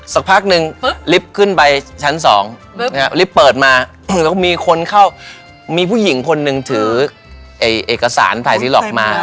สักพักนึงลิฟต์ขึ้นไปชั้น๒ลิฟต์เปิดมาแล้วก็มีคนเข้ามีผู้หญิงคนหนึ่งถือเอกสารถ่ายซีล็อกมา